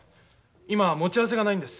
今は持ち合わせがないんです。